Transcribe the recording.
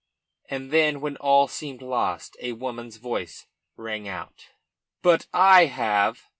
And then, when all seemed lost, a woman's voice rang out at last: "But I have!"